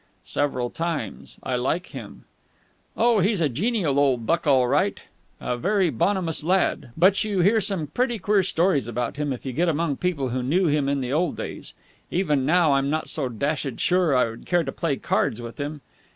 "Several times. I like him." "Oh, he's a genial old buck all right. A very bonhomous lad. But you hear some pretty queer stories about him if you get among people who knew him in the old days. Even now I'm not so dashed sure I should care to play cards with him.